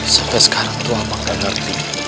sampai sekarang tuah bangga ngerti